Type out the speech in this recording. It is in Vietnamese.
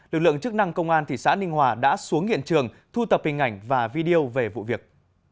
lực lượng chức năng công an thị xã ninh hòa đã xuống hiện trường thu tập hình ảnh và video về vụ việc